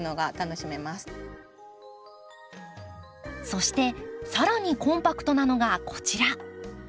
そして更にコンパクトなのがこちら。